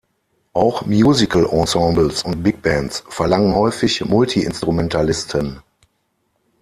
Auch Musical-Ensembles und Big-Bands verlangen häufig Multiinstrumentalisten.